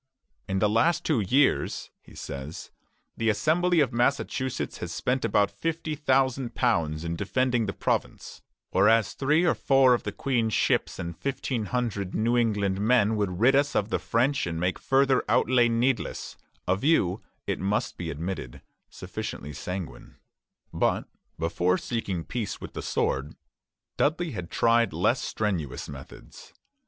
"In the last two years," he says, "the Assembly of Massachusetts has spent about £50,000 in defending the Province, whereas three or four of the Queen's ships and fifteen hundred New England men would rid us of the French and make further outlay needless," a view, it must be admitted, sufficiently sanguine. But before seeking peace with the sword, Dudley tried less strenuous methods.